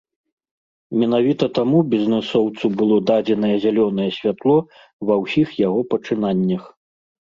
Менавіта таму бізнэсоўцу было дадзенае зялёнае святло ва ўсіх яго пачынаннях.